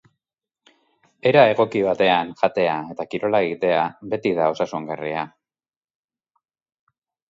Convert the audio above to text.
Era egoki batean jatea eta kirola egitea beti da osasungarria.